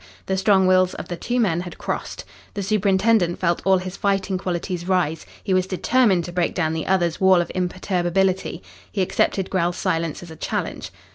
The strong wills of the two men had crossed. The superintendent felt all his fighting qualities rise. He was determined to break down the other's wall of imperturbability. He accepted Grell's silence as a challenge.